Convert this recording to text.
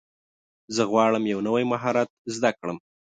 زه غواړم یو نوی مهارت زده کړم.